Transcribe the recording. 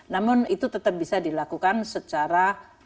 namun itu tetap bisa dilakukan secara